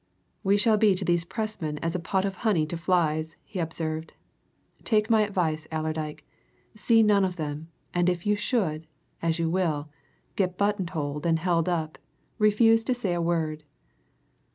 "We shall be to these Pressmen as a pot of honey to flies," he observed. "Take my advice, Allerdyke see none of them, and if you should as you will get buttonholed and held up, refuse to say a word."